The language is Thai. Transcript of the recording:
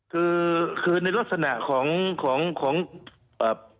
คือคือในลักษณะของของของเอ่อ